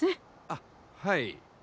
あっはい。